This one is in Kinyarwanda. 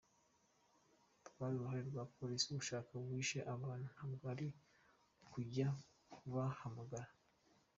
Rwari uruhare rwa polisi gushaka uwishe abantu ntabwo nari kujya kubahamagara.